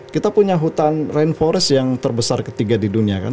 kita punya hutan rainforest yang terbesar ketiga di dunia kan